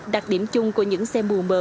đặc điểm chung của những xe mù mờ